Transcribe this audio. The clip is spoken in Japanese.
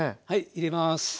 はい入れます。